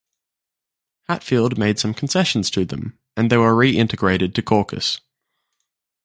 Hatfield made some concessions to them and they were re-integrated to caucus.